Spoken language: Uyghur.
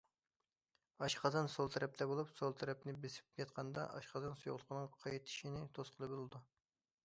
ئاشقازان سول تەرەپتە بولۇپ، سول تەرەپنى بېسىپ ياتقاندا ئاشقازان سۇيۇقلۇقىنىڭ قايتىشىنى توسقىلى بولىدۇ.